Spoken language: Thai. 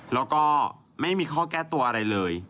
แล้วก็ไม่มีข้อแก้ตัวอะไรเลย